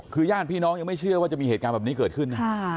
คือญาติพี่น้องยังไม่เชื่อว่าจะมีเหตุการณ์แบบนี้เกิดขึ้น